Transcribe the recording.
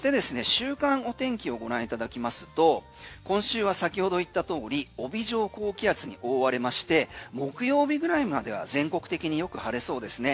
週間お天気をご覧いただきますと今週は先ほど言った通り帯状高気圧に覆われまして木曜日ぐらいまでは全国的によく晴れそうですね。